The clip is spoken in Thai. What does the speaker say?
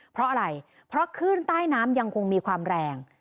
เพราะอะไรเพราะขึ้นใต้น้ำยังคงมีความแรง